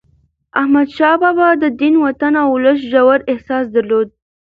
احمدشاه بابا د دین، وطن او ولس ژور احساس درلود.